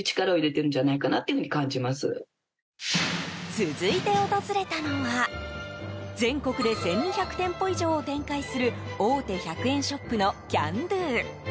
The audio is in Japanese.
続いて訪れたのは全国で１２００店舗以上を展開する大手１００円ショップのキャンドゥ。